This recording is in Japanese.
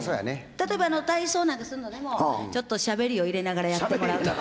例えば体操なんかするのでもちょっとしゃべりを入れながらやってもらうとか。